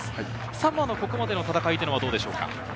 サモアのここまでの戦いはどうでしょうか？